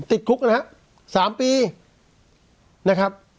ติดคุกนะครับ๓ปีนะครับ